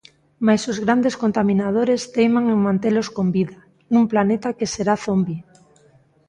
Mais os grandes contaminadores teiman en mantelos con vida, nun planeta que será zombi.